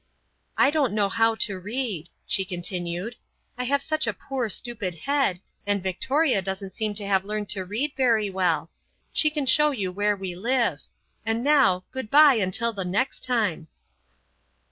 "I don't know how to read," she continued; "I have such a poor stupid head, and Victoria doesn't seem to have learned to read very well. She can show you where we live and now, goodbye until the next time."